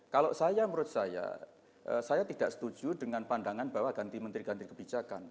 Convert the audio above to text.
kalau saya menurut saya saya tidak setuju dengan pandangan bahwa ganti menteri ganti kebijakan